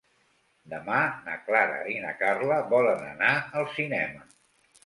Demà na Clara i na Carla volen anar al cinema.